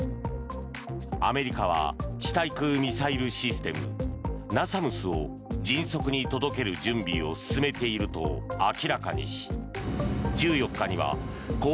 アメリカは地対空ミサイルシステムＮＡＳＡＭＳを迅速に届ける準備を進めていると明らかにし１４日には高